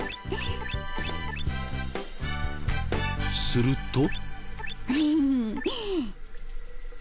すると。